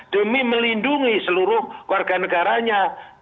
demi melindungi seluruh warga negaranya